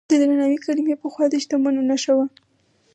د درناوي کلمې پخوا د شتمنو نښه وه.